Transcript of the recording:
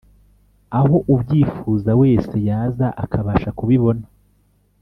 aho ubyifuza wese yaza akabasha kubibona